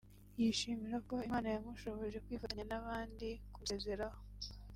yishimira ko Imana yamushoboje kwifatanya n’abandi kumusezeraho